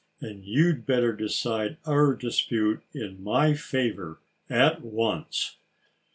And you'd better decide our dispute in my favor at once."